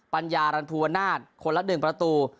ปัญญารันภูวนาศคนละ๑ประตู